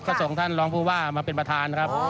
ก็ส่งท่านรองผู้ว่ามาเป็นประธานครับ